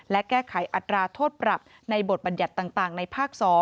และแก้ไขอัตราโทษปรับในบทบัญญัติต่างในภาค๒